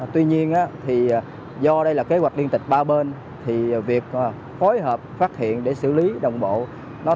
tuy nhiên do đây là kế hoạch liên tịch ba bên thì việc phối hợp phát hiện để xử lý đồng bộ